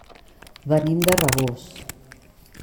Venim de Rabós.